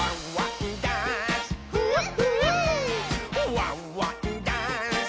「ワンワンダンス！」